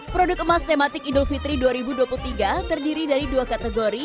produk emas tematik idul fitri dua ribu dua puluh tiga terdiri dari dua kategori